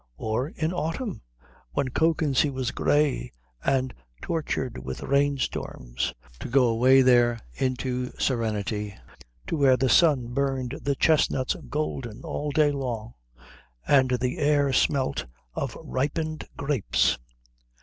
Or in autumn, when Kökensee was grey and tortured with rainstorms, to go away there into serenity, to where the sun burned the chestnuts golden all day long and the air smelt of ripened grapes?